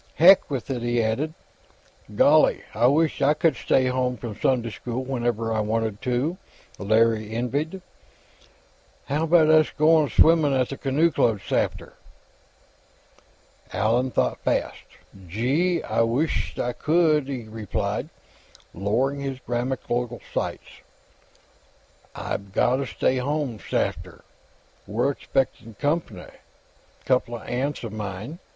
"Heck with it," he added. "Golly, I wisht I c'ld stay home from Sunday school whenever I wanted to," Larry envied. "How about us goin' swimmin', at the Canoe Club, 'safter?" Allan thought fast. "Gee, I wisht I c'ld," he replied, lowering his grammatical sights. "I gotta stay home, 'safter. We're expectin' comp'ny; coupla aunts of mine.